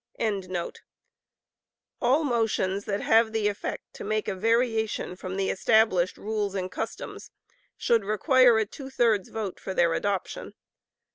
] All motions that have the effect to make a variation from the established rules and customs, should require a two thirds vote for their adoption.